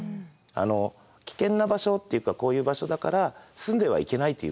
あの危険な場所っていうかこういう場所だから住んではいけないということではない。